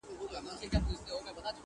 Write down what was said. انساني درد تر ټولو ژور دی